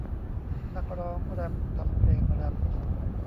นักร้องแร็พทำเพลงแรพ